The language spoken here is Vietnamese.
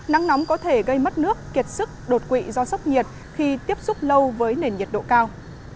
nắng nóng có thể gây mất nước kiệt sức đột quỵ do sốc nhiệt khi tiếp xúc lâu với nền nhiệt độ cao